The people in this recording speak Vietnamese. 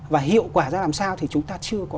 và hiệu quả ra làm sao thì chúng ta chưa có